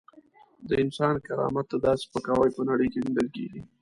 د انسان کرامت ته داسې سپکاوی په نړۍ کې نه لیدل کېږي.